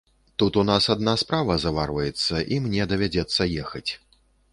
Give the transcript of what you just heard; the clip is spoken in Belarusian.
Тут у нас адна справа заварваецца, і мне давядзецца ехаць.